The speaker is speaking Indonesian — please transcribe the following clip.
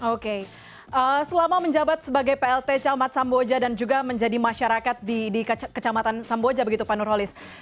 oke selama menjabat sebagai plt camat samboja dan juga menjadi masyarakat di kecamatan samboja begitu pak nurholis